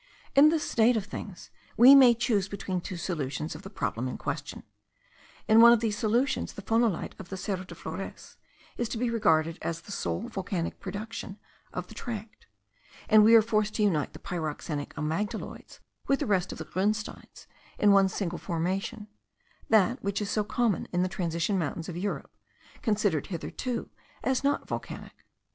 In this state of things we may choose between two solutions of the problem in question. In one of these solutions the phonolite of the Cerro de Flores is to be regarded as the sole volcanic production of the tract; and we are forced to unite the pyroxenic amygdaloids with the rest of the grunsteins, in one single formation, that which is so common in the transition mountains of Europe, considered hitherto as not volcanic.